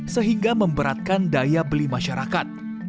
sehingga memberatkan daya beli masyarakat